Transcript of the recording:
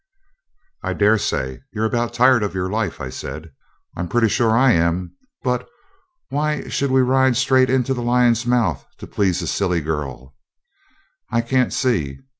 'I daresay you're about tired of your life,' I said. 'I'm pretty sure I am; but why we should ride straight into the lion's mouth, to please a silly girl, I can't see.